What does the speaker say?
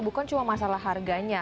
bukan cuma masalah harganya